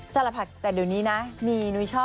สลัดผักแต่เดี๋ยวนี้นะ